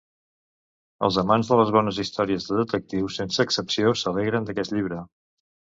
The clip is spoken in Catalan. Els amants de les bones històries de detectius, sense excepció, s'alegren d'aquest llibre.